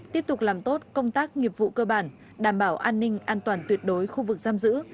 tiếp tục làm tốt công tác nghiệp vụ cơ bản đảm bảo an ninh an toàn tuyệt đối khu vực giam giữ